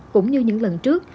cũng như những lần trước